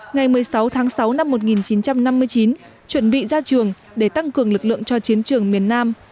ngày một mươi sáu tháng sáu năm một nghìn chín trăm năm mươi chín chuẩn bị ra trường để tăng cường lực lượng cho chiến trường miền nam